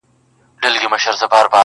ډېر شتمن دئ تل سمسوره او ښېراز دئ٫